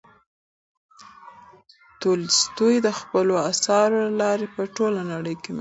تولستوی د خپلو اثارو له لارې په ټوله نړۍ کې مشهور شو.